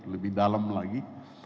lebih dalam lagi